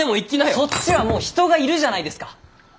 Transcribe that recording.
そっちはもう人がいるじゃないですか！